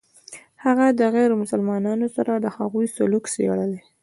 هغه د غیر مسلمانانو سره د هغوی سلوک څېړلی.